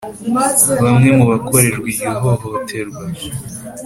Bamwe mu bakorerwa iryo hohoterwa